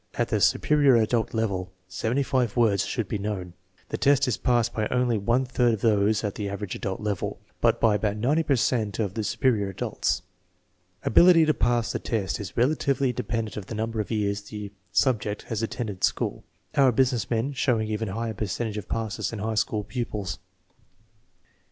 At the " superior adult " level seventy five words should be known. The test is passed by only one third of those at the " average adult " level, but by about 90 per cent of " su perior adults." Ability to pass the test is relatively inde pendent of the number of years the ,subject has attended school, our business men showing even a higher percentage of passes than high school pupils.